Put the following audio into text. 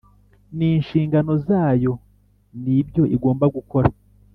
N inshingano zayo n ibyo igomba gukora